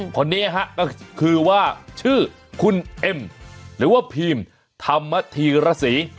คนนี้ฮะก็คือว่าชื่อคุณเอ็มหรือว่าพีมธรรมธีรสี